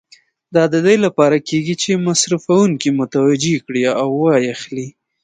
دا د دې لپاره کېږي چې مصرفوونکي متوجه کړي او و یې اخلي.